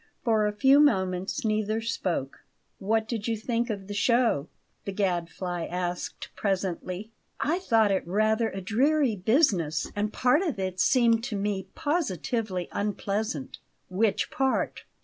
For a few moments neither spoke. "What did you think of the show?" the Gadfly asked presently. "I thought it rather a dreary business; and part of it seemed to me positively unpleasant." "Which part?"